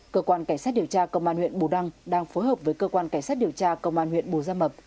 cơ quan cảnh sát điều tra công an huyện bù đăng đang phối hợp với cơ quan cảnh sát điều tra công an huyện bù gia mập